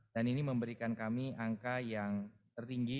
dan ini memberikan kami angka yang tertinggi